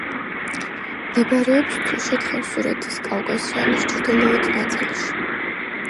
მდებარეობს თუშეთ-ხევსურეთის კავკასიონის ჩრდილოეთ ნაწილში.